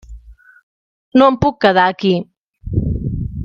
No em puc quedar aquí.